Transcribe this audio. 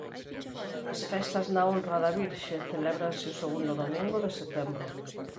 As festas na honra da virxe celébranse o segundo domingo de setembro.